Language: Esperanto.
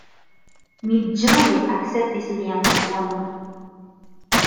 Mi ĝoje akceptis lian proponon.